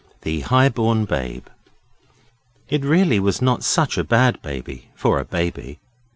THE HIGH BORN BABE It really was not such a bad baby for a baby.